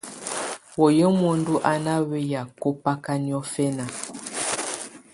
Wayɛ̀á muǝndù á nà wɛ̀yà kɔmbaka niɔ̀fɛna.